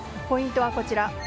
ポイントはこちら。